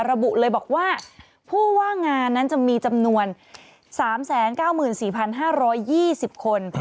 ระบุเลยบอกว่าผู้ว่างงานนั้นจะมีจำนวน๓๙๔๕๒๐คน